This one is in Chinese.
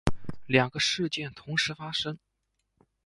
两个事件同时发生